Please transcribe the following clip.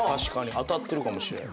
当たってるかもしれん。